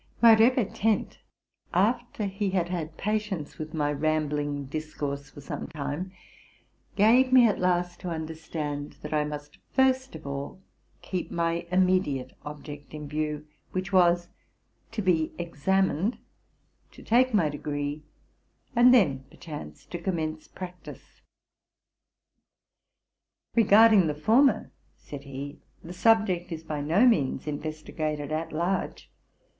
My repetent, after he had had patience with my rambling discourse for some time, gave me at last to understand that I must first of all keep my immediate object in view, which was, to be examined, to take my degree, and then, perchance, te commence practice. '* Regarding the former,"' said he, the subject is by no means investigated at large.